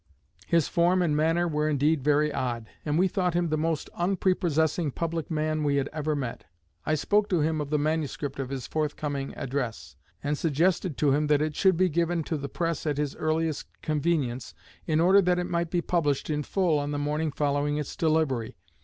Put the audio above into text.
His form and manner were indeed very odd, and we thought him the most unprepossessing public man we had ever met. I spoke to him of the manuscript of his forthcoming address, and suggested to him that it should be given to the press at his earliest convenience, in order that it might be published in full on the morning following its delivery.